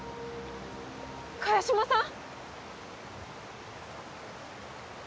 萱島さん！？